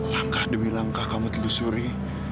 langkah demi langkah kamu telusuri